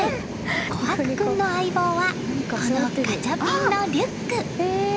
虎珀君の相棒はこのガチャピンのリュック。